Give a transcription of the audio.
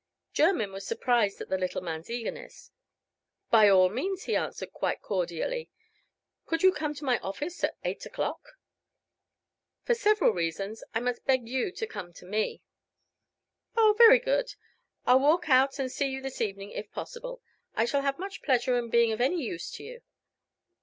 Jermyn was surprised at the little man's eagerness. "By all means," he answered, quite cordially. "Could you come to my office at eight o'clock?" "For several reasons, I must beg you to come to me." "Oh, very good. I'll walk out and see you this evening, if possible. I shall have much pleasure in being of any use to you."